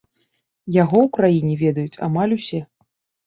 Яго ў краіне ведаюць амаль усе.